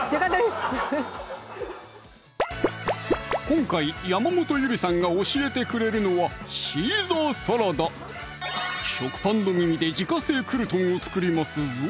今回山本ゆりさんが教えてくれるのは「シーザーサラダ」食パンのミミで自家製クルトンを作りますぞ！